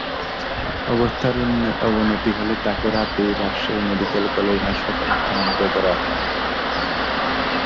অবস্থার অবনতি হলে তাঁকে রাতেই রাজশাহী মেডিকেল কলেজ হাসপাতালে স্থানান্তর করা হয়।